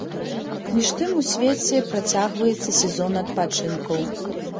Між тым у свеце працягваецца сезон адпачынкаў.